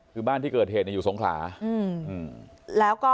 คือบ้านที่เกิดเหตุอยู่สงขลา